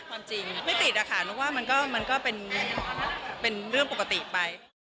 ไม่ติดหนูว่ามันก็เป็นเนื่องปกติไป